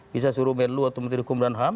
bisa suruh menlu atau menteri hukum dan ham